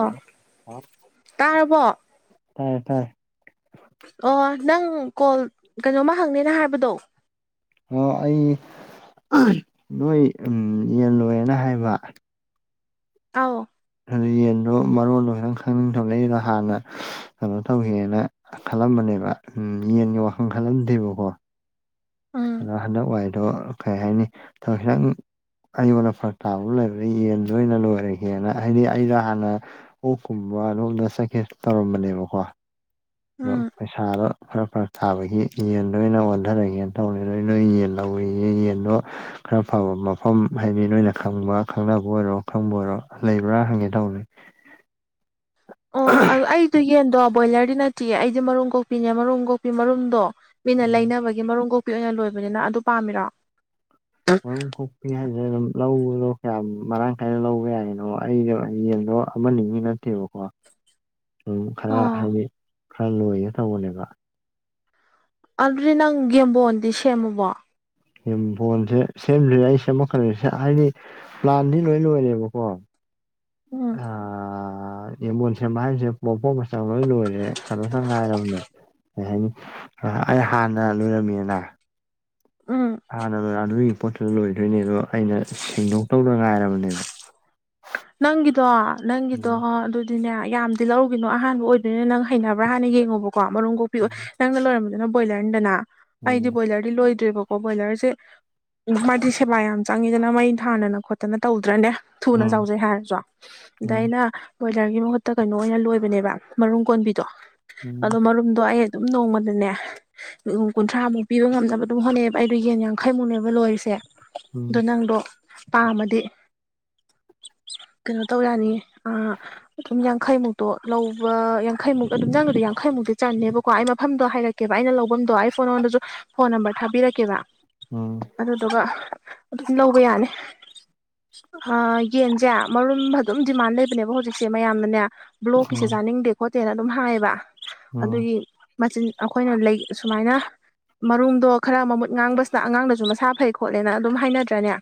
ꯑꯣ ꯇꯥꯔꯕꯣ ꯇꯥꯏꯌꯦ ꯇꯥꯏꯌꯦ ꯑꯣ ꯅꯪ ꯀꯣꯜ ꯀꯩꯅꯣꯝꯃ ꯍꯪꯅꯦꯅ ꯍꯥꯏꯕꯗꯣ ꯑꯣ ꯑꯩ ꯅꯣꯏ ꯌꯦꯜꯂꯣꯏꯌꯦꯅ ꯍꯥꯏꯕ ꯑꯧ ꯑꯗꯨ ꯌꯦꯟꯗꯣ ꯃꯔꯣꯟꯗꯣ ꯈꯤꯇꯪ ꯈꯪꯅꯤꯡ ꯊꯕ ꯂꯩꯗꯣ ꯍꯥꯟꯅ ꯀꯩꯅꯣ ꯇꯧꯈꯤꯅ ꯈꯜꯂꯝꯕꯅꯤ [unintelligible] ꯎꯝ ꯌꯦꯟꯒꯤ ꯋꯥꯈꯜ ꯈꯜꯂꯝꯗꯦꯕꯀꯣ ꯎꯝ ꯑꯗꯣ ꯍꯟꯗꯛ ꯋꯥꯢꯗꯣ ꯀꯩ ꯍꯥꯏꯅꯤ ꯊꯕꯛ ꯈꯤꯇꯪ ꯑꯩꯉꯣꯟꯗ ꯐꯔꯛ ꯇꯥꯕ ꯑꯃ ꯂꯩꯔꯅꯤ ꯌꯦꯟ ꯂꯣꯏꯅ ꯂꯣꯏꯔꯦꯒꯦꯅ ꯍꯥꯏꯗꯤ ꯑꯩꯗ ꯍꯥꯟꯅ ꯑꯣꯛꯀꯨꯝꯕ ꯃꯄꯥꯜꯂꯣꯝꯗ ꯆꯠꯀꯦ ꯇꯧꯔꯝꯕꯅꯦꯕꯀꯣ ꯑꯗꯣ ꯎꯝ ꯄꯩꯁꯥꯗꯣ ꯈꯔ ꯐꯔꯛ ꯌꯦꯟꯗ ꯑꯣꯏꯅ ꯑꯣꯟꯊꯔꯒꯦꯅ ꯇꯧꯅꯤ ꯅꯣꯏ ꯅꯣꯏ ꯌꯦꯟ ꯂꯧꯑꯦꯌꯦ ꯌꯦꯟꯗꯣ ꯈꯔ ꯐꯕ ꯃꯐꯝ ꯍꯥꯏꯗꯤ ꯅꯣꯏꯅ ꯈꯪꯕ ꯈꯪꯅꯕ ꯑꯣꯏꯔꯣ ꯈꯪꯕ ꯑꯣꯏꯔꯣ ꯂꯩꯕ꯭ꯔꯥ ꯍꯪꯒꯦ ꯇꯧꯅꯤ [inaudible] ꯑꯣ ꯑꯩꯗꯣ ꯌꯦꯟꯗꯣ ꯕꯣꯏꯂꯔꯗꯤ ꯅꯠꯇꯦ ꯑꯩꯗꯤ ꯃꯔꯨꯝ ꯀꯣꯛꯄꯤꯅꯦ ꯃꯔꯨꯝ ꯀꯣꯛꯄꯤ ꯃꯔꯨꯝꯗꯣ ꯃꯤꯅ ꯎꯝ ꯂꯩꯅꯕꯒꯤ ꯃꯔꯨꯝ ꯀꯣꯛꯄꯤ ꯑꯣꯏꯅ ꯂꯣꯏꯕꯅꯤꯅ ꯑꯗꯨ ꯄꯥꯝꯃꯤꯔꯣ ꯃꯔꯨꯝ ꯀꯣꯛꯄꯤ ꯍꯥꯏꯁ ꯑꯗꯨꯝ ꯂꯧꯕꯗꯣ ꯀꯌꯥꯝ ꯃꯔꯥꯡ ꯀꯥꯏꯅ ꯂꯧꯕ ꯌꯥꯏꯅꯣ ꯑꯩꯗꯣ ꯌꯦꯟꯗꯣ ꯑꯃ ꯅꯤꯒꯤ ꯅꯠꯇꯦꯕꯀꯣ [inaudible] ꯁꯨꯝ ꯈꯔ ꯑꯣ ꯍꯥꯏꯗꯤ ꯈꯔ ꯂꯣꯏꯒꯦ ꯇꯧꯕꯅꯦꯕ ꯑꯗꯨꯗꯤ ꯅꯪ ꯌꯦꯝꯕꯣꯟꯗꯤ ꯁꯦꯝꯃꯕꯣ ꯌꯦꯟꯕꯣꯟꯁꯦ ꯁꯦꯝꯗ꯭ꯔꯤ ꯑꯩ ꯁꯦꯝꯃꯛꯀꯗꯣꯢ ꯍꯥꯏꯗꯤ ꯄ꯭ꯂꯥꯟꯗꯤ ꯂꯣꯏ ꯂꯣꯏꯔꯦꯕꯀꯣ ꯎꯝ ꯑ ꯑ ꯌꯦꯟꯕꯣꯟ ꯁꯦꯝꯕ ꯍꯥꯏꯁꯦ ꯃꯄꯣꯠ ꯃꯆꯥꯛ ꯂꯣꯏ ꯂꯣꯏꯔꯦ ꯀꯩꯅꯣꯇ ꯉꯥꯏꯔꯕꯅꯦ ꯀꯩ ꯍꯥꯏꯅꯤ ꯑꯩ ꯍꯥꯟꯅ ꯂꯣꯏꯔꯝꯃꯤꯅ ꯎꯝ ꯍꯥꯟꯅ [unintelligible] ꯑꯗꯨꯒꯤ ꯄꯣꯠꯇꯨ ꯂꯣꯏꯗꯣꯏꯅꯦ ꯑꯗꯣ ꯑꯩꯅ ꯁꯦꯡꯗꯣꯛ ꯇꯧꯗꯅ ꯉꯥꯏꯔꯕꯅꯦꯕ ꯅꯪꯒꯤꯗꯣ ꯅꯪꯒꯤꯗꯣ ꯎꯝ ꯑꯗꯨ ꯑꯗꯨꯅꯦ ꯌꯥꯝꯗꯤ ꯂꯧꯔꯨꯒꯤꯅꯣ ꯑꯍꯥꯟꯕ ꯑꯣꯏꯗꯣꯏꯅꯤ ꯅꯪ ꯍꯩꯅꯕ꯭ꯔꯥ ꯍꯥꯟꯅ ꯌꯦꯡꯉꯨꯕꯀꯣ ꯀꯣ ꯃꯔꯨꯝ ꯀꯣꯛꯄꯤ ꯑꯣ ꯅꯪꯅ ꯂꯣꯏꯔꯝꯕꯗꯨꯅ ꯕꯣꯏꯂꯔꯅꯤꯗꯅ ꯑꯩꯗꯤ ꯎꯝ ꯕꯣꯏꯂꯔꯗꯤ ꯂꯣꯏꯗ꯭ꯔꯦꯕꯀꯣ ꯀꯣ ꯕꯣꯏꯂꯔꯁꯦ ꯃꯥꯗꯤ ꯁꯦꯕꯥ ꯌꯥꯝ ꯆꯪꯉꯤꯗꯅ ꯃꯩ ꯊꯥꯟꯗꯅ ꯈꯣꯠꯇꯅ ꯇꯧꯗ꯭ꯔꯅꯦ ꯊꯨꯅ ꯎꯝ ꯆꯥꯎꯖꯩ ꯍꯥꯏꯔꯁꯨ ꯑꯗ ꯑꯩꯅ ꯕꯣꯏꯂꯔꯒꯤ ꯃꯍꯨꯠꯇ ꯀꯩꯅꯣ ꯑꯣꯏꯅ ꯂꯣꯏꯕꯅꯦꯕ ꯃꯔꯨꯝ ꯀꯣꯟꯕꯤꯗꯣ ꯑꯗꯣ ꯎꯝ ꯃꯔꯨꯝꯗꯣ ꯑꯩ ꯑꯗꯨꯝ ꯅꯣꯡꯃꯗꯅꯦ ꯀꯨꯟꯊ꯭ꯔꯥꯃꯨꯛ ꯄꯤꯕ ꯉꯝꯅꯕ ꯑꯗꯨꯝ ꯍꯣꯠꯅꯩꯌꯦꯕ ꯑꯩꯗꯣ ꯌꯦꯟ ꯌꯥꯡꯈꯩꯃꯨꯛꯅꯦꯕ ꯂꯣꯏꯔꯤꯁꯦ ꯑꯗꯣ ꯎꯝ ꯅꯪꯗꯣ ꯄꯥꯝꯃꯗꯤ ꯀꯩꯅꯣ ꯇꯧ ꯌꯥꯅꯤ ꯑꯗꯨꯝ ꯌꯥꯡꯈꯩꯃꯨꯛꯇꯣ ꯂꯧꯕ ꯌꯥꯡꯈꯩꯃꯨꯛꯇ ꯑꯗꯨꯝ ꯅꯪꯒꯤꯗꯣ ꯌꯥꯡꯈꯩ ꯃꯨꯛꯇꯤ ꯆꯟꯅꯦꯕꯀꯣ ꯑꯩ ꯃꯐꯝꯗꯣ ꯍꯥꯏꯔꯛꯀꯦꯕ ꯑꯩꯅ ꯂꯧꯕꯐꯝꯗꯣ ꯑꯩ ꯐꯣꯟꯉꯣꯟꯗꯁꯨ ꯐꯣꯟ ꯅꯝꯕꯔ ꯊꯥꯕꯤꯔꯛꯀꯦꯕ ꯎꯝ ꯎꯝ ꯑꯗꯨꯗꯨꯒ ꯑꯗꯨꯝ ꯂꯧꯕ ꯌꯥꯅꯤ ꯌꯦꯟꯁꯦ ꯃꯔꯨꯝ ꯑꯗꯨꯝ ꯗꯤꯃꯥꯟ ꯂꯩꯕꯅꯦꯕ ꯍꯧꯖꯤꯛꯁꯦ ꯃꯌꯥꯝꯅꯅꯦ ꯕ꯭ꯂꯣꯛꯀꯤꯁꯦ ꯎꯝ ꯆꯥꯅꯤꯡꯗꯦ ꯈꯣ ꯇꯦꯅ ꯑꯗꯨꯝ ꯍꯥꯏꯌꯦꯕ ꯎꯝ ꯑꯗꯨꯒꯤ ꯃꯆꯤꯟ ꯑꯩꯈꯣꯏꯅ ꯁꯨꯃꯥꯏꯅ ꯃꯔꯨꯝꯗꯣ ꯈꯔ ꯃꯃꯨꯠ ꯉꯥꯡꯕꯁꯤꯅ ꯑꯉꯥꯡꯗꯁꯨ ꯃꯁꯥ ꯐꯩ ꯈꯣꯠꯂꯦꯅ ꯑꯗꯨꯝ ꯍꯥꯏꯅꯗ꯭ꯔꯅꯦ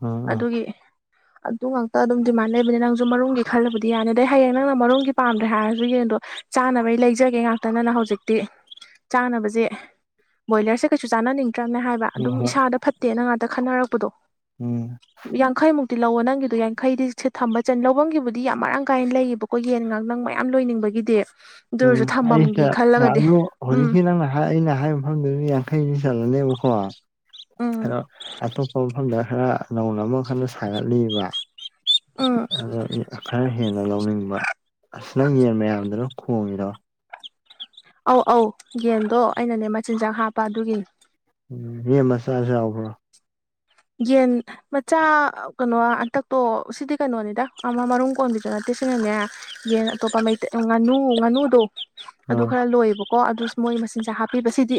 ꯎꯝ ꯎ ꯑꯗꯨꯒꯤ ꯑꯗꯨ ꯉꯥꯛꯇ ꯑꯗꯨꯝ ꯗꯤꯃꯥꯟ ꯂꯩꯕꯅꯤ ꯅꯪꯁꯨ ꯃꯔꯨꯝꯒꯤ ꯈꯜꯂꯕꯨꯗꯤ ꯌꯥꯅꯤ ꯑꯗꯩ ꯍꯌꯦꯡ ꯅꯪꯅ ꯃꯔꯨꯝꯒꯤ ꯄꯥꯝꯗ꯭ꯔꯦ ꯍꯥꯏꯔꯁꯨ ꯌꯦꯡꯗꯣ ꯆꯥꯅꯕꯩ ꯂꯩꯖꯒꯦ ꯉꯥꯛꯇꯅꯅ ꯍꯧꯖꯤꯛꯇꯤ ꯆꯥꯅꯕꯁꯦ ꯕꯣꯢꯂꯔꯁꯦ ꯀꯩꯁꯨ ꯆꯥꯅꯅꯤꯝ ꯇ꯭ꯔꯅꯦ ꯍꯥꯏꯕ ꯎꯝ ꯍꯣꯏ ꯑꯗꯨꯝ ꯍꯣꯏ ꯏꯁꯥꯗ ꯐꯠꯇꯦꯅ ꯉꯥꯛꯇ ꯈꯟꯅꯔꯛꯄꯗꯣ ꯎꯝ ꯌꯥꯡꯈꯩꯃꯨꯛꯇꯤ ꯂꯧꯋ ꯅꯪ ꯒꯤꯗꯣ ꯌꯥꯈꯩꯗꯤ ꯁꯦ ꯊꯝꯕ ꯆꯟ ꯂꯧꯕꯒꯤꯕꯨꯗꯤ ꯌꯥꯝ ꯃꯔꯥꯡ ꯀꯥꯏꯅ ꯂꯩꯌꯦꯕꯀꯣ ꯌꯦꯟ ꯉꯥꯡ ꯅꯪ ꯃꯌꯥꯝ ꯂꯣꯏꯅꯤꯡꯕꯒꯤꯗꯤ ꯑꯗꯨ ꯑꯣꯏꯔꯁꯨ ꯎꯝ ꯊꯝꯕꯝꯒꯤ ꯑꯩꯁꯦꯗ ꯈꯜꯂꯒꯗꯤ ꯎꯝ ꯍꯧꯖꯤꯛꯁꯤ ꯅꯪꯅ ꯑꯩꯅ ꯍꯥꯏꯕ ꯃꯐꯝꯗꯨꯗꯤ ꯌꯥꯡꯈꯩꯗꯤ ꯆꯠꯂꯅꯦ ꯀꯣ ꯎꯝ ꯑꯗꯣ ꯑꯇꯣꯞꯄ ꯃꯐꯝꯗ ꯈꯔ ꯅꯧꯅ ꯑꯃꯈꯟꯅ ꯁꯥꯒꯠꯂꯤꯕ ꯎꯝ ꯑꯗꯣ ꯈꯔ ꯍꯦꯟꯅ ꯂꯧꯅꯤꯡꯕ ꯑꯁ ꯅꯪ ꯌꯦꯟ ꯃꯌꯥꯝꯗꯨꯅꯣ ꯈꯣꯡꯏꯔꯣ ꯑꯧ ꯑꯧ ꯌꯦꯟꯗꯣ ꯑꯩꯅ ꯃꯆꯤꯟꯖꯥꯛ ꯍꯥꯞꯄ ꯑꯗꯨꯒꯤ ꯎ ꯌꯦꯟ ꯃꯆꯥꯁꯨ ꯌꯥꯎꯕ꯭ꯔꯣ ꯌꯦꯟ ꯃꯆꯥ ꯀꯩꯅꯣ ꯍꯟꯇꯛꯇꯣ ꯁꯤꯗꯤ ꯀꯩꯅꯣꯅꯤꯗ ꯑꯃ ꯃꯔꯨꯝ ꯀꯣꯟꯕꯤꯗꯨ ꯅꯠꯇꯦ ꯁꯤꯅꯅꯦ ꯌꯦꯟ ꯑꯇꯣꯞꯄ ꯃꯩꯇꯩ ꯉꯥꯅꯨ ꯉꯥꯅꯨꯗꯣ ꯑꯗꯨ ꯑꯥ ꯈꯔ ꯂꯣꯏꯕꯀꯣ ꯀꯣ ꯑꯗꯨ ꯃꯣꯏ ꯃꯆꯤꯟꯁꯦ ꯍꯥꯞꯄꯤꯕꯁꯤꯗꯤ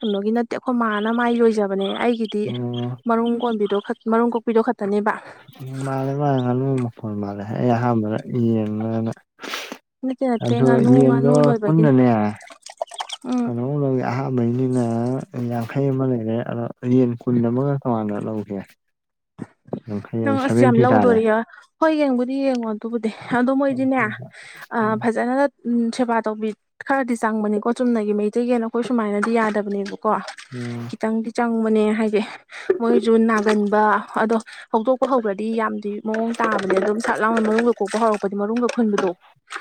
ꯀꯩꯅꯣꯒꯤ ꯅꯠꯇꯦ ꯑꯩꯈꯣꯏ ꯃꯥꯅ ꯃꯥꯏ ꯂꯣꯏꯖꯕꯅꯦ ꯑꯩꯒꯤꯗꯤ ꯑꯣ ꯃꯔꯨꯝ ꯀꯣꯟꯕꯤꯗꯣ ꯃꯔꯨꯝ ꯀꯣꯛꯄꯤꯗꯣ ꯈꯛꯇꯅꯦꯕ ꯎ ꯃꯥꯜꯂꯦ ꯃꯥꯜꯂꯦ ꯉꯥꯅꯨ ꯃꯈꯣꯟꯜ ꯃꯥꯜꯂꯦ ꯑꯩ ꯑꯍꯥꯟꯕꯗ ꯌꯦꯡꯅ ꯅꯠꯇꯦ ꯅꯠꯇꯦ ꯑꯗꯨꯗꯣ ꯉꯥꯅꯨ ꯉꯥꯅꯨ ꯌꯦꯟꯗ ꯂꯣꯏꯕꯒꯤꯅꯤ ꯄꯨꯟꯅꯅꯦ ꯎꯝ ꯀꯩꯅꯣꯃꯨꯛ ꯂꯣꯢꯒꯦ ꯑꯍꯥꯟꯕꯩꯅꯤꯅ ꯌꯥꯡꯈꯩ ꯑꯃ ꯂꯩꯔꯦ ꯑꯗꯣ ꯌꯦꯟ ꯀꯨꯟ ꯑꯃꯒ ꯇꯉꯥꯟꯅ ꯂꯧꯒꯦ ꯌꯥꯡꯈꯩ ꯅꯪ ꯑꯁ ꯌꯥꯝ ꯁꯚꯦꯟꯇꯤ ꯇꯥꯔꯦ ꯂꯧꯗꯣꯔꯤ ꯍꯣꯏ ꯌꯦꯡꯕꯨꯗꯤ ꯌꯦꯡꯉꯣ ꯑꯗꯨꯕꯨꯗꯤ ꯑꯗꯣ ꯃꯣꯏꯗꯤꯅꯦ ꯑ ꯐꯖꯅ ꯎꯝ ꯁꯦꯕꯥ ꯇꯧꯕꯤ ꯈꯔꯗꯤ ꯆꯪꯕꯅꯤꯀꯣ ꯆꯨꯝꯅꯒꯤ ꯃꯩꯇꯩ ꯌꯦꯟ ꯑꯩꯈꯣꯏ ꯁꯨꯃꯥꯏꯅꯗꯤ ꯌꯥꯗꯕꯅꯦꯕ ꯀꯣ ꯎꯝ ꯈꯤꯇꯪꯗꯤ ꯆꯪꯕꯅꯦ ꯍꯥꯏꯗꯤ ꯃꯣꯏꯁꯨ ꯅꯥꯒꯟꯕ ꯑꯗꯣ ꯍꯧꯗꯣꯛꯄ ꯍꯧꯒ꯭ꯔꯗꯤ ꯌꯥꯝꯗꯤ ꯃꯑꯣꯡ ꯇꯥꯕꯅꯦ ꯑꯗꯨꯝ ꯁꯠ ꯂꯥꯎꯅ ꯃꯔꯨꯝꯒ ꯀꯣꯛꯄ ꯍꯧꯔꯛꯄꯗꯤ ꯃꯔꯨꯝꯒ ꯈꯨꯨꯟꯕꯗꯣ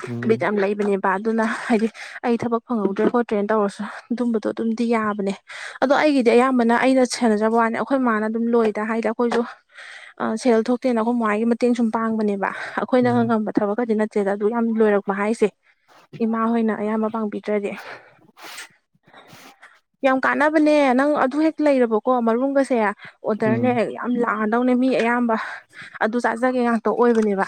ꯎꯝ ꯕꯤꯠ ꯌꯥꯝ ꯂꯩꯕꯅꯦ ꯑꯗꯨꯅ ꯍꯥꯏꯗꯤ ꯑꯩ ꯊꯕꯛ ꯐꯪꯍꯧꯗ꯭ꯔꯦ ꯈꯣꯠꯇ꯭ꯔꯦꯅ ꯇꯧꯔꯁꯨ ꯑꯗꯨꯝꯕꯗꯣ ꯑꯗꯨꯝꯗꯤ ꯌꯥꯕꯅꯦ ꯑꯗꯣ ꯑꯩꯒꯤꯗꯤ ꯑꯌꯥꯝꯕꯅ ꯑꯩꯅ ꯁꯦꯟꯅꯖꯕ ꯋꯥꯅꯤ ꯑꯩꯈꯣꯏ ꯃꯃꯥꯅ ꯑꯗꯨꯝ ꯂꯣꯏꯗ ꯍꯥꯏꯗꯤ ꯑꯩꯈꯣꯏꯁꯨ ꯁꯦꯜ ꯊꯣꯛꯇꯦꯅ ꯑꯩꯈꯣꯏ ꯃꯥꯍꯣꯏꯒꯤ ꯃꯇꯦꯡ ꯁꯨꯝ ꯄꯥꯡꯕꯅꯦꯕ ꯑꯩꯈꯣꯏꯅ ꯎꯝ ꯉꯝꯕ ꯊꯕꯛꯀꯗꯤ ꯅꯠꯇꯦ ꯑꯗꯨ ꯌꯥꯝ ꯂꯣꯏꯔꯛꯄ ꯍꯥꯏꯁꯦ ꯏꯃꯥ ꯍꯣꯏꯅ ꯑꯌꯥꯝꯕ ꯄꯥꯡꯕꯤꯗ꯭ꯔꯗꯤ ꯌꯥꯝ ꯀꯥꯟꯅꯕꯅꯦ ꯅꯪ ꯑꯗꯨ ꯍꯦꯛ ꯂꯩꯔꯕꯀꯣ ꯃꯔꯨꯝꯒꯁꯦ ꯎꯝ ꯑꯣꯗꯔꯅꯦ ꯎꯝ ꯌꯥꯝ ꯂꯥꯛꯑꯗꯧꯅꯦ ꯃꯤ ꯑꯌꯥꯝꯕ ꯑꯗꯨ ꯆꯥꯖꯒꯦ ꯉꯥꯛꯇ ꯑꯣꯏꯕꯅꯦꯕ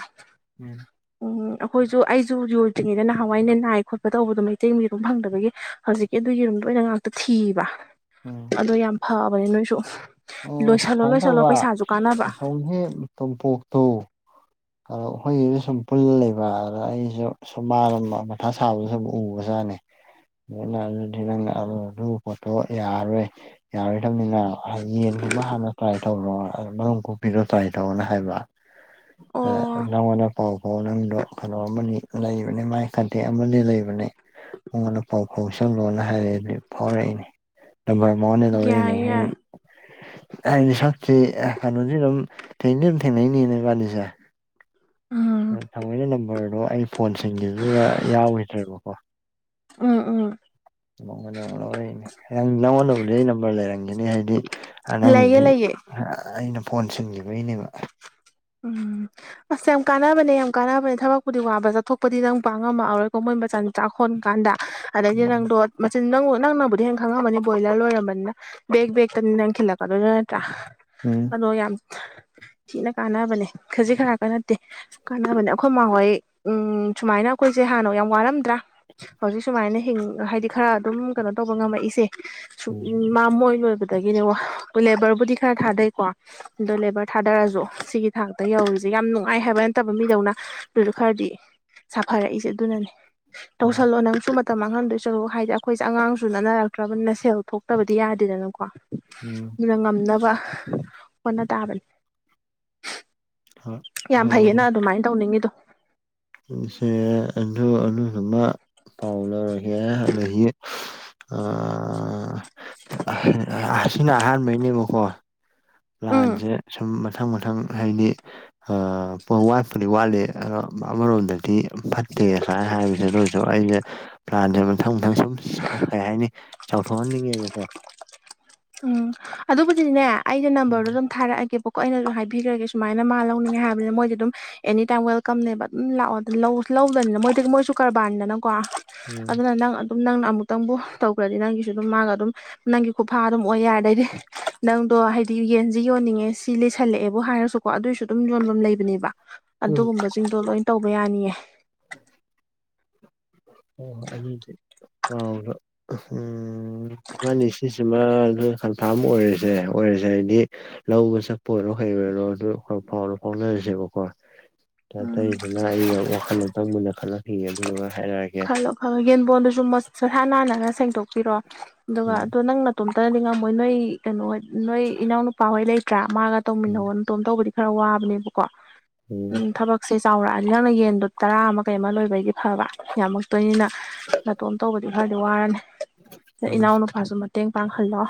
ꯎꯝ ꯎꯝ ꯑꯩꯈꯣꯏꯁꯨ ꯑꯩꯁꯨ ꯌꯣꯗ꯭ꯔꯤꯉꯩꯗ ꯅꯍꯥꯟꯋꯥꯏꯅ ꯅꯥꯏ ꯈꯣꯠꯄ ꯇꯧꯕꯗꯣ ꯃꯩꯇꯩ ꯌꯦꯔꯨꯝ ꯐꯪꯗꯕꯒꯤ ꯍꯧꯖꯤꯛꯀꯤ ꯑꯗꯨꯝ ꯌꯦꯔꯨꯝꯗ ꯑꯣꯏꯅ ꯉꯥꯛꯇ ꯊꯤꯕ ꯎꯝ ꯑꯗꯣ ꯌꯥꯝ ꯐꯕꯅꯦ ꯅꯣꯏꯁꯨ ꯑꯣ ꯂꯣꯏꯁꯜꯂꯣ ꯁꯨꯃꯥꯏ ꯂꯣꯏꯁꯜꯂꯣ ꯇꯧꯕ ꯄꯩꯁꯥꯁꯨ ꯀꯥꯟꯅꯕ ꯑꯁꯣꯝꯒꯤ ꯇꯣꯝꯄꯣꯛꯇꯨ ꯑꯗꯣ ꯑꯩꯈꯣꯏꯒꯤꯖꯨ ꯁꯨꯝ ꯄꯨꯜ ꯂꯩꯕ ꯑꯗ ꯑꯩꯁꯨ ꯁꯨꯝ ꯃꯥꯗ ꯃꯊꯥ ꯁꯥꯕꯗꯣ ꯁꯨꯝ ꯎꯕꯖꯥꯠꯅꯤ ꯑꯗꯨꯅ ꯑꯗꯨꯗꯤ ꯅꯪꯅ ꯑꯗꯨ ꯄꯣꯠꯇꯣ ꯌꯥꯔꯔꯣꯏ ꯌꯥꯔꯣꯏ ꯗꯕꯅꯤꯅ ꯌꯦꯟꯒꯨꯝꯕ ꯍꯥꯟꯅ ꯇ꯭ꯔꯥꯏ ꯇꯧꯔꯣ ꯃꯔꯨꯝ ꯀꯣꯛꯄꯤꯗꯣ ꯇ꯭ꯔꯥꯏ ꯇꯧꯔꯣꯅ ꯍꯥꯏꯕ ꯑꯣ ꯅꯪꯉꯣꯟꯗ ꯄꯥꯎ ꯐꯥꯎ ꯅꯪꯗꯣ ꯀꯩꯅꯣ ꯑꯃꯅꯤ ꯂꯩꯕꯅꯦ ꯃꯥꯏ ꯀꯟꯇꯦꯛ ꯑꯃꯅꯤ ꯂꯩꯕꯅꯦ ꯃꯉꯣꯟꯗ ꯄꯥꯎ ꯐꯥꯎꯁꯜ ꯂꯣꯅ ꯍꯥꯏꯔꯛ ꯑꯦ ꯐꯥꯎꯔꯛꯏꯅꯦ ꯅꯝꯕꯔ ꯃꯉꯣꯟꯗ ꯂꯧꯔꯛꯏꯅꯦ ꯌꯥꯏ ꯍꯦ ꯌꯥꯏ [unintelligible] ꯁꯤ ꯀꯩꯅꯣꯁꯤ ꯑꯗꯨꯝ ꯊꯦꯡꯗꯤ ꯑꯗꯨꯝ ꯊꯦꯡꯅꯔꯤꯕꯅꯤ ꯏꯕꯥꯅꯤꯁꯦ ꯎꯝ [unintelligible] ꯅꯝꯕꯔꯗꯣ ꯑꯩ ꯐꯣꯟꯁꯤꯡꯒꯤꯕꯗꯨꯗ ꯌꯥꯎꯒꯤꯗ꯭ꯔꯦꯕꯀꯣ ꯎꯝ ꯎꯝ ꯃꯉꯣꯟꯗꯩ ꯂꯧꯔꯛꯏꯅꯦ ꯅꯪꯉꯣꯟꯗꯕꯨꯗꯤ ꯑꯩ ꯅꯝꯕꯔ ꯂꯩꯔ ꯅꯤ ꯍꯥꯏꯗꯤ ꯂꯩꯌꯦ ꯅꯪꯒꯤꯗꯤ ꯂꯩꯌꯦ ꯑꯩꯅ ꯐꯣꯟ ꯁꯤꯟꯈꯤꯕꯒꯤꯅꯦꯕ ꯎꯝ ꯑꯁ ꯌꯥꯝ ꯀꯥꯟꯅꯕꯅꯦ ꯌꯥꯝ ꯀꯥꯟꯅꯕꯅꯦ ꯊꯕꯛꯄꯨꯗꯤ ꯋꯥꯕ ꯆꯠꯊꯣꯛꯄꯗꯤ ꯅꯪ ꯄꯥꯡ ꯉꯝꯃꯛꯑꯔꯣꯏ ꯀ ꯃꯣꯏ ꯃꯆꯆꯥ ꯆꯥꯛ ꯍꯣꯟ ꯀꯥꯟꯗ ꯑꯗꯗꯒꯤ ꯅꯪꯗꯣ ꯃꯆꯤꯟ ꯅꯪ ꯅꯪꯅ ꯕꯨꯗꯤ ꯍꯦꯟ ꯈꯪꯉꯝꯃꯅꯤ ꯕꯣꯏꯂꯔ ꯂꯣꯏꯔꯝꯕꯅꯤꯅ ꯕꯦꯛ ꯕꯦꯛꯇꯅꯤ ꯅꯪ ꯈꯤꯜꯂꯛꯀꯗꯣꯏ ꯅꯠꯇ꯭ꯔꯥ ꯎꯝ [unintelligible] ꯌꯥꯝ ꯊꯤꯅ ꯀꯥꯟꯅꯕꯅꯦ ꯈꯖꯤꯛ ꯈꯔꯥꯛꯀ ꯅꯠꯇꯦ ꯀꯥꯟꯅꯕꯅꯦ ꯑꯩꯈꯣꯏ ꯃꯈꯣꯏ ꯎꯝ ꯁꯨꯃꯥꯏꯅ ꯑꯩꯈꯣꯏꯁꯦ ꯍꯥꯟꯅ ꯌꯥꯝ ꯋꯥꯔꯝꯗ꯭ꯔꯥ ꯍꯧꯖꯤꯛ ꯁꯨꯃꯥꯏꯅ ꯍꯤꯡ ꯍꯥꯏꯗꯤ ꯈꯔ ꯑꯗꯨꯝ ꯀꯩꯅꯣ ꯇꯧꯕ ꯉꯝꯃꯛꯏꯁꯦ ꯎꯝ ꯎ ꯃꯃꯣꯏꯅꯕ ꯑꯗꯒꯤꯅꯦ ꯂꯦꯕꯔꯕꯨꯗꯤ ꯈꯔ ꯊꯥꯗꯩꯀꯣ ꯑꯗꯣ ꯂꯦꯕꯔ ꯊꯥꯗꯔꯁꯨ ꯁꯤꯒꯤ ꯊꯥꯛꯇ ꯌꯧꯔꯤꯁꯦ ꯌꯥꯝ ꯅꯨꯡꯉꯥꯏ ꯍꯥꯏꯕ ꯅꯠꯇꯕ ꯃꯤꯗꯧꯅ ꯑꯗꯨꯁꯨ ꯈꯔꯗꯤ ꯁꯥꯐꯔꯛꯏꯁꯦ ꯑꯗꯨꯅꯅꯦ ꯇꯧꯁꯜꯂꯣ ꯅꯪꯁꯨ ꯃꯇꯝ ꯃꯥꯡꯍꯟꯗꯣꯏ ꯁꯔꯨꯛ ꯍꯥꯏꯗꯤ ꯑꯩꯈꯣꯏꯁꯦ ꯑꯉꯥꯡꯁꯨ ꯅꯅꯥꯅꯔꯛꯇ꯭ꯔꯕꯅꯤꯅ ꯁꯦꯜ ꯊꯣꯛꯇꯕꯗꯤ ꯌꯥꯗꯦꯗꯅꯀꯣ ꯎꯝ ꯑꯗꯨꯅ ꯉꯝꯅꯕ ꯍꯣꯠꯅ ꯇꯥꯕꯅꯤ ꯎꯝ ꯌꯥꯝ ꯐꯩꯌꯦꯅ ꯑꯗꯨꯃꯥꯏꯅ ꯇꯧꯅꯤꯡꯉꯤꯗꯣ ꯁꯦ ꯑ ꯑꯗꯨꯗꯨꯃ ꯄꯥꯎ ꯂꯧꯔꯒꯦ ꯑꯗꯒꯤ [unintelligible] ꯑꯁꯤꯅ ꯑꯍꯥꯟꯕꯩꯅꯦꯕꯀꯣ ꯎꯝ ꯂꯥꯟꯁꯦ ꯁꯨꯝ ꯃꯊꯪ ꯃꯊꯪ ꯍꯥꯏꯗꯤ ꯋꯥꯠꯄꯨꯗꯤ ꯋꯥꯠꯂꯤ ꯑꯗꯣ ꯑꯃꯔꯣꯝꯗꯗꯤ ꯐꯠ [unintelligible] ꯍꯥꯏꯕꯖꯦ ꯑꯗꯨꯏꯖꯨ ꯑꯩꯖꯦ ꯄ꯭ꯂꯥꯟꯖꯦ ꯃꯊꯪ ꯃꯊꯪ ꯁꯨꯝ ꯀꯩ ꯍꯥꯏꯅꯤ ꯆꯥꯎꯊꯣꯛꯍꯟ ꯉꯦꯕꯀꯣ ꯎꯝ ꯑꯗꯨꯕꯨꯗꯤꯗꯤꯅꯦ ꯑꯩꯩꯅ ꯅꯝꯕꯔꯗꯣ ꯎꯝ ꯑꯗꯨꯝ ꯊꯥꯔꯛꯑꯒꯦꯕ ꯀꯣ ꯑꯩꯅꯁꯨ ꯍꯥꯏꯕꯤꯈ꯭ꯔꯒꯦ ꯁꯨꯃꯥꯏꯅ ꯃꯥ ꯂꯧꯅꯤꯡꯉꯦ ꯍꯥꯏꯕꯅꯤ ꯃꯣꯏꯁꯦ ꯑꯗꯨꯝ ꯑꯦꯅꯤ ꯇꯥꯏꯝ ꯋꯦꯜꯀꯝꯅꯦꯕ ꯑꯗꯨꯝ ꯂꯥꯛꯑꯣ ꯂꯧꯗꯅꯦ ꯃꯣꯏꯗꯤ ꯃꯣꯏꯁꯨ ꯀꯔꯕꯥꯥꯔꯅꯦꯗꯅ ꯀꯣ ꯎꯝ ꯑꯗꯨꯅ ꯅꯪ ꯑꯗꯨꯝ ꯅꯪꯅ ꯑꯃꯨꯛꯇꯪꯕꯨ ꯇꯧꯈ꯭ꯔꯗꯤ ꯅꯪꯒꯤꯁꯨ ꯑꯗꯨꯝ ꯃꯥꯒ ꯑꯗꯨꯝ ꯅꯪꯒꯤ ꯐꯥ ꯑꯗꯨꯝ ꯑꯣꯏ ꯌꯥꯔꯦ ꯑꯗꯩꯗꯤ ꯅꯪ ꯑꯗꯣ ꯍꯥꯏꯗꯤ ꯌꯦꯟꯖꯤ ꯌꯣꯟꯅꯤꯡꯉꯦ ꯁꯤ ꯂꯩꯁꯜꯂꯛꯑꯦꯕꯨ ꯍꯥꯏꯔꯁꯨꯀꯣ ꯑꯗꯨꯏꯁꯨ ꯑꯗꯨꯝ ꯌꯣꯟꯕꯝ ꯂꯩꯕꯅꯦꯕ ꯎꯝ ꯑꯗꯨꯒꯨꯝꯕꯁꯤꯡꯗꯣ ꯂꯣꯏ ꯇꯧꯕ ꯌꯥꯅꯤꯌꯦ [inaudible] ꯑꯣꯗꯤ ꯍꯥꯎ ꯎꯝ ꯏ ꯃꯥꯅꯤ ꯁꯤꯁꯤꯃ ꯑꯗꯨ ꯀꯟꯐꯥꯔꯝ ꯑꯣꯏꯔꯁꯦ ꯑꯣꯏꯔꯁꯦ ꯍꯥꯏꯗꯤ ꯂꯧꯕ ꯆꯠꯄ ꯑꯣꯏꯔꯣ ꯐꯥꯎꯔ ꯐꯥꯎꯅꯁꯦꯕꯀ ꯎꯝ ꯆꯊꯩꯗꯨꯅ ꯑꯩꯅ ꯋꯥꯈꯜ ꯑꯃꯇꯪ ꯃꯨꯟꯅ ꯈꯜꯂꯛꯈꯤꯌꯦ ꯑꯗꯨꯗꯨꯒ ꯍꯥꯏꯔꯒꯦ ꯈꯜꯂꯣ ꯈ ꯌꯦꯟꯕꯣꯟꯗꯨꯁꯨ ꯍꯥꯟ ꯍꯥꯟꯅꯒ ꯁꯦꯡꯗꯣꯛꯄꯤꯔꯣ ꯑꯗꯨꯒ ꯑꯗꯣ ꯅꯪ ꯅꯗꯤ ꯉꯝꯃꯣꯏ ꯅꯣꯏ ꯀꯩꯅꯣꯍꯣꯏ ꯅꯣꯏ ꯏꯅꯥꯎꯅ ꯅꯨꯄꯥꯍꯣꯏ ꯂꯩꯇ꯭ꯔꯥ ꯃꯥꯒ ꯎꯝ ꯇꯧꯃꯤꯟꯅꯧ ꯅꯇꯣꯝ ꯇꯧꯕꯗꯤ ꯈꯔ ꯋꯥꯕꯅꯦꯕꯀꯣ ꯎꯝ ꯊꯕꯛꯁꯦ ꯆꯥꯎꯔꯛꯑꯅꯤ ꯅꯪꯅ ꯌꯦꯟꯗꯣ ꯇꯔꯥ ꯑꯃ ꯀꯩ ꯑꯃ ꯂꯣꯏꯕꯒꯤ ꯐꯕ ꯌꯥꯝꯃꯛꯇꯣꯏꯅꯤꯅ ꯅꯥꯇꯣꯝ ꯇꯧꯕꯗꯤ ꯈꯔꯗꯤ ꯋꯥꯔꯅꯤ ꯎꯝ ꯎꯝ ꯏꯅꯥꯎ ꯅꯨꯨꯄꯥꯁꯨ ꯃꯇꯦꯡ ꯄꯥꯡꯍꯜꯂꯣ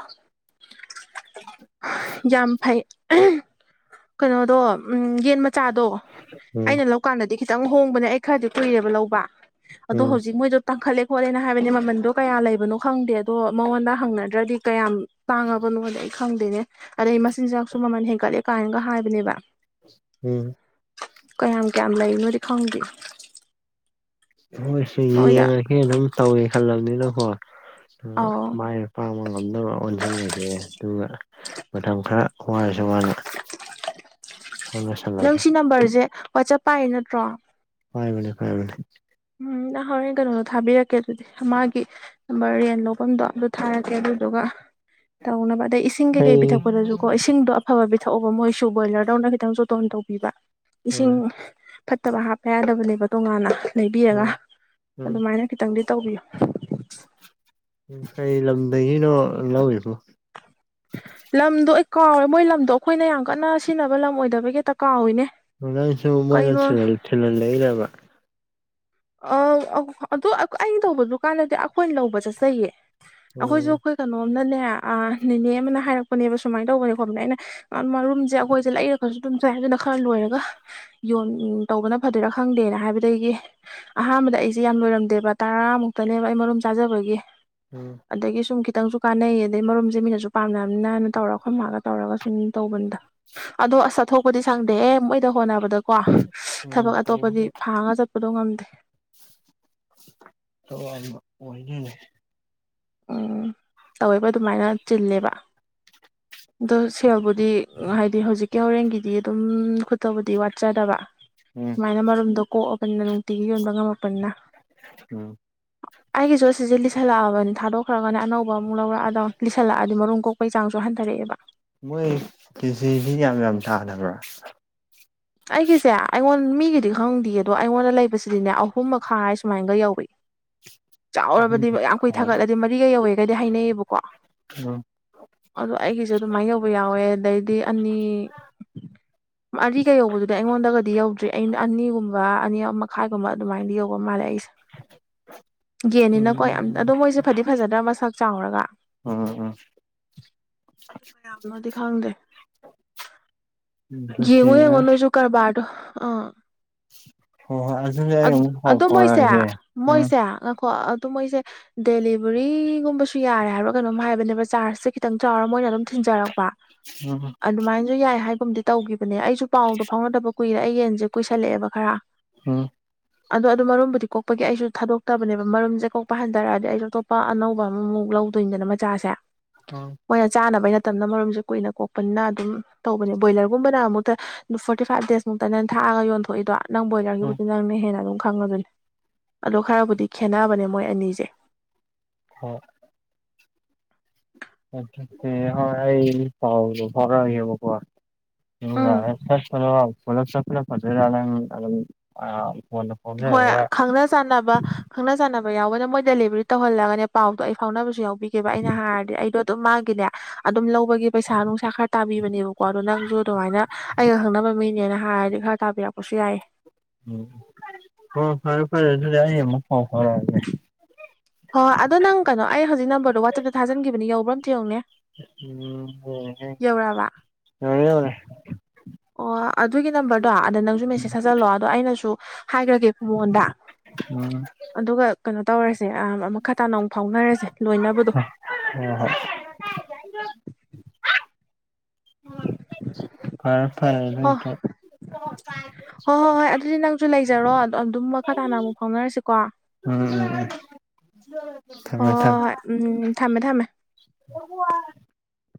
ꯌꯥꯝ ꯐꯩ ꯀꯩꯅꯣꯗꯣ ꯌꯦꯟ ꯃꯆꯥꯗꯣ ꯎꯝ ꯑꯩꯅ ꯂꯧꯀꯥꯟꯗ ꯆꯠ ꯈꯤꯇꯪ ꯍꯣꯡꯕꯅꯦ ꯑꯩ ꯈꯔꯗꯤ ꯀꯨꯏꯔꯦꯕ ꯂꯧꯕ ꯑꯗꯣ ꯎꯝ ꯍꯧꯖꯤꯛ ꯃꯣꯏꯗꯣ ꯇꯥꯡꯈꯠꯂꯦ ꯍꯣꯠꯂꯦꯅ ꯍꯥꯏꯕꯅꯤ ꯃꯃꯟꯗꯣ ꯀꯌꯥ ꯂꯩꯕꯅꯣ ꯈꯪꯗꯦ ꯑꯗꯣ ꯃꯉꯣꯟꯗ ꯍꯪꯅꯗ꯭ꯔꯗꯤ ꯀꯌꯥꯝ ꯇꯥꯡꯉꯕꯅꯣꯗꯤ ꯑꯩ ꯈꯪꯗꯦꯅꯦ ꯑꯗꯩ ꯑꯩ ꯃꯆꯤꯟꯖꯥꯛꯁꯨ ꯃꯃꯟ ꯍꯦꯟꯒꯠꯂꯦ ꯀꯥꯏꯅꯒ ꯍꯥꯏꯕꯅꯦꯕ ꯎꯝ ꯀꯌꯥꯝ ꯀꯌꯥꯝ ꯂꯩꯔꯤꯅꯣꯗꯤ ꯈꯪꯗꯦ ꯑꯩꯏꯁꯨ ꯃꯣꯏꯗ ꯌꯦꯡꯉꯒꯦ ꯑꯗꯨꯝ ꯇꯧꯏꯦ ꯈꯜꯂꯕꯅꯤꯅꯀꯣ ꯎꯝ ꯑꯧ ꯃꯥꯏ ꯃ ꯄ ꯑꯃ ꯉꯝꯗꯕ ꯆꯞꯆꯜꯂꯁꯦ ꯑꯗꯨꯒ ꯃꯇꯝ ꯈꯔ ꯋꯥꯔꯁꯨ ꯋꯥꯅ ꯅꯪ ꯍꯣꯠꯅꯁꯜꯂꯒꯦ ꯁꯤ ꯅꯝꯕꯔꯁꯦ ꯋꯥꯆꯞ ꯄꯥꯏꯌꯦ ꯅꯠꯇ꯭ꯔꯣ ꯐꯥꯏ ꯃꯅꯦ ꯐꯥꯏꯕꯅꯦ ꯎꯝ ꯅ ꯍꯣꯔꯦꯟ ꯀꯩꯅꯣꯗꯣ ꯊꯥꯕꯤꯔꯛꯀꯦ ꯑꯗꯨꯗꯤ ꯃꯥꯒꯤ ꯅꯝꯕꯔ ꯌꯦꯟ ꯂꯐꯝꯗꯣ ꯑꯗꯨꯗꯣ ꯊꯥꯔꯛꯀꯦ ꯑꯗꯨ ꯆꯗꯒ ꯇ ꯑꯣꯅ ꯑꯗꯩ ꯏꯁꯤꯡ ꯀꯩꯀꯩ ꯀꯩ ꯄꯤꯊꯛꯄꯗꯁꯨ ꯀꯣ ꯏꯁꯤꯡꯗꯣ ꯑꯐꯕ ꯄꯤꯊꯛꯑꯣꯕ ꯃꯣꯏꯁꯨ ꯕꯣꯏꯂꯔꯗꯧꯅ ꯈꯤꯇꯪꯁꯨꯣꯇꯣꯟ ꯇꯧꯕꯤꯕ ꯏꯁꯤꯡ ꯎꯝ ꯐꯠꯇꯕ ꯍꯥꯞꯄ ꯌꯥꯗꯕꯅꯦꯕ ꯇꯣꯉꯥꯟꯅ ꯂꯩꯕꯤꯔꯒ ꯎꯝ ꯑꯗꯨꯃꯥꯏꯅ ꯈꯤꯇꯪꯗꯤ ꯇꯧꯕꯤꯌꯨ ꯀꯥꯏ ꯂꯝꯗꯏ ꯅ ꯂꯧ ꯏꯕꯨ ꯂꯝꯗꯣ ꯑꯩ ꯀꯥꯎꯋꯦ ꯃꯣꯏ ꯂꯝꯗꯣ ꯑꯩꯈꯣꯏꯅ ꯌꯥꯝ ꯀꯟꯅ ꯁꯤꯖꯤꯟꯅꯕ ꯂꯝ ꯑꯣꯏꯗꯕꯒꯤꯇ ꯀꯥꯎꯏꯅꯦ ꯉ ꯅꯥꯡꯁꯨꯕꯨ ꯃꯣꯏꯅ ꯀꯩꯅꯣ ꯁꯅꯜ ꯂꯩꯕ ꯑ ꯑꯗꯨ ꯑꯩ ꯇꯧꯕꯗꯨꯀꯥꯟꯗꯗꯤ ꯑꯩꯈꯣꯏꯅ ꯂꯧꯕ ꯆꯠꯆꯩꯌꯦ ꯑꯩꯈꯣꯏꯁꯨ ꯎꯝ ꯑꯩꯈꯣꯏ ꯀꯩꯅꯣꯝꯅꯅꯦ ꯅꯦꯅꯦ ꯑꯃꯅ ꯍꯥꯏꯔꯛꯄ ꯄꯅꯦꯕ ꯁꯨꯃꯥꯏꯅ ꯇꯧꯕꯅꯦ ꯈꯣꯠꯄꯅꯦ ꯑꯩꯅ ꯔꯨꯝꯁꯦ ꯑꯩꯈꯣꯏꯁꯦ ꯂꯩꯔꯒꯁꯨ ꯑꯗꯨꯝ ꯆꯥꯏ ꯑꯗꯨꯅ ꯈꯔ ꯂꯣꯏꯔꯒ ꯌꯣꯟ ꯇꯧꯕꯅ ꯐꯗꯔꯥ ꯈꯪꯗꯦꯅ ꯍꯥꯏꯕꯗꯒꯤ ꯑꯍꯥꯟꯕꯗ ꯑꯩꯁꯦ ꯌꯥꯝ ꯂꯣꯏꯔꯝꯗꯦꯕ ꯇꯔꯥꯃꯨꯛꯇꯅꯦꯕ ꯑꯩ ꯃꯔꯨꯝ ꯆꯥꯖꯕꯒꯤ ꯎꯝ ꯑꯗꯒꯤ ꯁꯨꯝ ꯈꯤꯇꯪꯁꯨ ꯀꯥꯟꯅꯩ ꯑꯗꯒꯤꯩ ꯃꯔꯨꯝꯁꯦ ꯃꯤꯅꯁꯨ ꯄꯥꯝꯅꯕꯅꯤꯅꯅ ꯇꯧꯔ ꯈꯣꯝꯂꯛꯑꯒ ꯇꯧꯔꯒ ꯁ ꯎꯝ ꯇꯧꯕꯅꯤꯗ ꯑꯗꯣ ꯑꯁ ꯆꯥꯊꯣꯛꯄꯗꯤ ꯁꯪꯗꯦ ꯑꯦꯦ ꯃꯣꯏꯗ ꯍꯣꯠꯅꯕꯗ ꯀꯣ ꯎꯝ ꯊꯕꯛ ꯑꯇꯣꯞꯄꯗꯤ ꯐꯥꯡꯉ ꯆꯠꯄꯗꯣ ꯉꯝꯗꯦ ꯊꯋꯥ ꯋꯥꯖꯅꯦ ꯎꯝ ꯇꯧꯋꯦꯕ ꯑꯗꯨꯃꯥꯏꯅ ꯆꯤꯜꯂꯦꯕ ꯑꯗꯣ ꯁꯦꯜꯕꯨꯗꯤ ꯍꯥꯏꯗꯤ ꯍꯧꯖꯤꯛꯀꯤ ꯍꯣꯔꯦꯟꯒꯤꯗꯤ ꯑꯗꯨꯝ ꯈꯨꯠꯇꯕꯨꯗꯤ ꯋꯥꯠꯆꯗꯕ ꯎꯝ ꯁꯨꯃꯥꯏꯅ ꯃꯔꯨꯝꯗꯣ ꯀꯣꯛꯑꯕꯅꯤꯅ ꯅꯨꯡꯇꯤꯒꯤ ꯌꯣꯟꯕ ꯉꯝꯃꯛꯄꯅꯤꯅ ꯎꯝ ꯑꯩꯒꯤꯁꯨꯣ ꯁꯤꯁꯦ ꯂꯤꯁꯤꯜꯂꯛꯑꯕꯅꯤ ꯊꯥꯗꯣꯛꯈ꯭ꯔꯒꯅꯦ ꯑꯅꯧꯕ ꯑꯃꯨꯛ ꯂꯧꯔꯛꯑꯗ ꯂꯤꯁꯜꯂꯛꯑꯗꯤ ꯃꯔ ꯀꯣꯛꯄꯒꯤ ꯆꯥꯡꯁꯨ ꯍꯟ ꯇꯔꯕ ꯃꯣꯏ ꯀꯦꯖꯤ ꯃꯤ ꯌꯥꯝ ꯌꯥꯝ ꯇꯥꯅꯕ꯭ꯔꯥ ꯑꯩ ꯀꯁꯦ ꯑꯩꯉꯣꯟ ꯃꯤꯒꯤꯗꯤ ꯈꯪꯗꯦ ꯑꯗꯣ ꯑꯩꯉꯣꯟꯗ ꯂꯩꯕꯁꯤꯗꯤꯅꯦ ꯑꯍꯨꯝ ꯃꯈꯥꯏ ꯁꯨꯃꯥꯏꯅꯒ ꯌꯧꯔ ꯎꯝ ꯆꯥꯎꯔꯕꯗꯤ ꯌꯥꯝ ꯀꯨꯏꯊꯥꯒꯠꯂꯗꯤ ꯃꯔꯤꯒ ꯌꯧꯋꯦꯒꯩꯗꯤ ꯍꯥꯏꯅꯩꯌꯦꯕꯀꯣ ꯀꯣ ꯑꯣ ꯑꯩꯒꯤꯁꯨꯦ ꯑꯗꯨꯃꯥꯏꯅ ꯌꯧꯕ ꯌꯥꯎꯋꯦ ꯑꯗꯩꯗꯤ ꯑꯅꯤ ꯑꯔꯤꯒ ꯌꯧꯕꯗꯨꯗꯤ ꯑꯩꯉꯣꯟꯗꯒꯗꯤ ꯌꯧꯗ꯭ꯔꯤ ꯑꯩꯅ ꯑꯅꯤꯒꯨꯝꯕ ꯑꯗꯨꯒ ꯑꯅꯤ ꯃꯈꯥꯏꯒꯨꯝꯕ ꯑꯗꯨꯃꯥꯏꯗꯤ ꯌꯧꯕ ꯃꯥꯜꯂꯦ ꯑꯩꯁꯦ ꯌꯦꯅꯤꯅꯀꯣ ꯎꯝ ꯌꯥꯝ ꯑꯗꯣ ꯃꯣꯏꯁꯦ ꯐꯗꯤ ꯐꯖꯗ꯭ꯔ ꯃꯁꯛ ꯆꯥꯎꯔꯒ ꯎꯝ ꯎꯝ ꯀꯌꯥꯝꯅꯗꯤ ꯈꯥꯡꯗꯦ ꯌꯦꯡꯉꯣ ꯌꯦꯡꯉꯣ ꯎꯝ ꯅꯣꯏꯁꯨ ꯀꯔꯕꯥꯔꯗꯣ ꯑꯥ ꯍꯣꯏ ꯍꯣꯏ ꯑꯗꯨꯗꯤ ꯑꯩ ꯑꯃꯨꯛ ꯄꯥꯎ ꯑꯗꯨ ꯃꯣꯏꯁꯦ ꯐꯥꯎꯔꯛꯑꯒꯦ ꯎꯝ ꯃꯣꯏꯁꯦ ꯉ ꯑꯗꯨ ꯃꯣꯏꯁꯦ ꯗꯦꯂꯤꯕꯔꯤꯒꯨꯝꯕꯁꯨ ꯌꯥꯔꯦ ꯍꯥꯏꯕ꯭ꯔꯣ ꯀꯩꯅꯣꯝ ꯍꯥꯏꯕꯅꯦꯕ ꯆꯥꯔꯖꯁꯦ ꯈꯤꯇꯪ ꯆꯥꯎꯔ ꯃꯣꯏꯅ ꯑꯗꯨꯝ ꯊꯤꯟ ꯖꯔꯛꯄ ꯑꯗꯨꯃꯥꯏꯅꯁꯨ ꯌꯥꯏ ꯍꯥꯏꯒꯨꯝꯗꯤ ꯇꯧꯈꯤꯕꯅꯦ ꯑꯩꯁꯨ ꯄꯥꯎꯗꯣ ꯐꯥꯎꯅꯗꯕ ꯀꯨꯏꯔꯦ ꯑꯩ ꯌꯦꯟꯁꯦ ꯀꯨꯏꯁꯜꯂꯛꯑꯦꯕ ꯈꯔ ꯎꯝ ꯑꯗꯣ ꯑꯗꯨ ꯃꯔꯨꯝꯕꯨꯗꯤ ꯀꯣꯛꯄꯒꯤ ꯑꯩꯁꯨ ꯊꯥꯗꯣꯛꯇꯕꯅꯦꯕ ꯃꯔꯨꯝꯁꯦ ꯀꯣꯛꯄ ꯍꯟꯊꯔꯛꯑꯗꯤ ꯑꯩꯁꯨ ꯑꯇꯣꯞꯄ ꯑꯅꯧꯕ ꯑꯃ ꯃꯨ ꯂꯧꯗꯣꯏꯅꯤꯗꯅ ꯃꯆꯥꯁꯦ ꯎꯝ ꯃꯣꯏꯅ ꯆꯥꯅꯕꯩ ꯅꯅ ꯃꯔꯨꯝꯁꯦ ꯀꯨꯏꯅ ꯀꯣꯛꯄꯅꯤꯅ ꯑꯗꯨꯝ ꯇꯧꯕꯅꯦ ꯕꯣꯏꯂꯔ ꯒꯨꯝꯕꯅ ꯑꯃꯨꯛꯇ ꯐꯣꯔꯇꯤ ꯐꯥꯏꯚ ꯗꯦꯖꯃꯨꯛꯇ ꯅꯪ ꯊꯥꯛꯑ ꯌꯣꯟꯊꯣꯛꯏꯗꯣ ꯅꯪ ꯎꯝ ꯕꯣꯏꯂꯔꯒꯤꯕꯨꯗꯤ ꯅꯪꯅ ꯍꯦꯟꯅ ꯑꯗꯨꯝ ꯈꯪꯉ ꯑꯗꯨꯅꯤ ꯑꯗꯨ ꯈꯔꯕꯨꯗꯤ ꯈꯦꯠꯅꯕꯅꯦ ꯃꯣꯏ ꯑꯅꯤꯁꯦ ꯍ ꯑꯦ ꯍ ꯃꯤ ꯄꯋꯥꯣ ꯐꯔ ꯍꯕꯣ ꯀꯣꯔ ꯎꯝ ꯎ ꯆꯂ ꯄꯨꯂꯆꯖ ꯑ ꯍꯣꯏ ꯈꯪꯅ ꯆꯥꯟꯅꯕ ꯈꯪꯅ ꯆꯥꯟꯅꯕ ꯌꯥꯎꯕꯅ ꯃꯣꯏ ꯗꯦꯂꯤꯚꯔꯤ ꯇꯧꯍꯜꯂꯒ ꯄꯥꯎꯗꯣ ꯑꯩ ꯐꯥꯎꯅꯕꯁꯨ ꯌꯥꯎꯕꯤꯈꯤꯕꯕ ꯑꯩꯅ ꯍꯥꯏꯔꯗꯤ ꯑꯩꯗꯣ ꯑꯗꯨꯝ ꯃꯥꯡꯈꯤꯅꯦ ꯑꯗꯨꯝ ꯂꯧꯕꯒꯤ ꯄꯩꯁꯥ ꯅꯨꯡꯁꯥ ꯈꯔ ꯇꯥꯕꯤꯕꯅꯦꯕꯀꯣ ꯑꯣ ꯅꯪꯁꯨ ꯑꯗꯨꯃꯥꯏꯅ ꯑꯩꯒ ꯈꯪꯅꯕ ꯃꯤꯅꯦꯅ ꯍꯥꯏꯔꯗꯤ ꯈꯔ ꯇꯥꯕꯤꯔꯛꯄꯁꯨ ꯌꯥꯏꯌꯦ ꯎ ꯍ ꯐꯔꯦ ꯐꯔ ꯑꯗꯨꯖꯗꯤ ꯑꯏꯌꯦ ꯃ ꯐꯔ ꯍꯣ ꯑꯗꯣ ꯅꯪ ꯀꯩꯅꯣ ꯑꯩ ꯍꯧꯖꯤꯛ ꯅꯝꯕꯔꯗꯣ ꯋꯥꯆꯦꯞꯇ ꯊꯥꯖꯤꯟꯈꯤꯕꯅꯦ ꯌꯎꯧꯕ꯭ꯔꯣꯝꯇ ꯌꯧꯅꯦ ꯎꯝ ꯍ ꯌꯅꯦ ꯑꯣ ꯑꯗꯨꯒꯤ ꯅꯝꯕꯔꯗꯣ ꯑꯗ ꯅꯪꯁꯨ ꯃꯦꯁꯦꯖ ꯊꯆꯜꯂꯣ ꯑꯗꯣ ꯑꯩꯅꯁꯨ ꯍꯥꯏꯈ꯭ꯔꯒꯦ ꯐꯨꯡꯉꯣꯟꯗ ꯎꯝ ꯑꯗꯨꯒ ꯀꯩꯅꯣ ꯇꯧꯔꯁꯦ ꯑ ꯑꯃ ꯈꯇꯥ ꯅꯅꯨꯡ ꯐꯥꯎꯅꯔꯁꯦ ꯂꯣꯏꯅꯕꯗꯣ ꯍꯣꯏ ꯍꯣꯏ ꯍꯔ ꯍꯣꯏ ꯍꯣꯏ ꯐꯔꯇ ꯍꯣꯏ ꯍꯣꯏ ꯍꯣꯏ ꯑꯗꯨꯗꯤ ꯅꯪꯁꯨ ꯂꯩꯖꯔꯣ ꯑꯗꯣ ꯑꯗꯨꯝ ꯃꯈꯥ ꯇꯥꯅ ꯑꯃꯨꯛ ꯐꯥꯎꯅꯔꯁꯤꯀꯣ ꯎꯝ ꯎꯝ ꯎꯝ ꯊꯝꯃꯦ ꯍꯣꯏ ꯊꯝꯃꯦ ꯍꯣꯏ ꯎꯝ ꯊꯝꯃꯦ ꯊꯝꯃꯦ